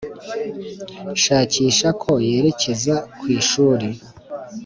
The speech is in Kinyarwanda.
shakisha ko yerekeza ku ishuri.